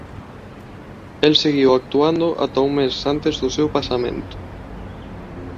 El seguiu actuando ata un mes antes do seu pasamento.